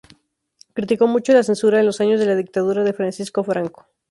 Criticó mucho la censura en los años de la dictadura de Francisco Franco.